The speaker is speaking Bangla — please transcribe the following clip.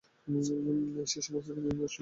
সে-সমস্তই কি নষ্ট হয়েছে মনে কর?